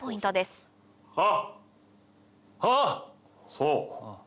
そう！